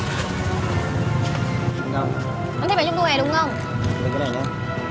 ăn cái này nha